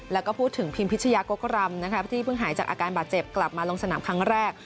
แล้วก็พูดถึงพิมพิชยากกรำนะคะที่เพิ่งหายจากอาการบาดเจ็บกลับมาลงสนามครั้งแรก